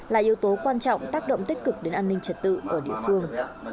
là yếu tố quan trọng tác động tích cực đến an ninh trật tự ở địa phương